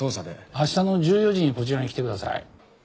明日の１４時にこちらに来てください。